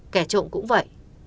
kẻ trộm cũng vậy